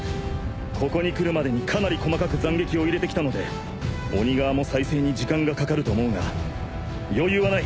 ここに来るまでにかなり細かく斬撃を入れてきたので鬼側も再生に時間がかかると思うが余裕はない。